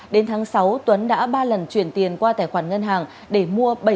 đến tháng sáu tuấn đã ba lần chuyển tiền qua tài khoản ngân hàng để mua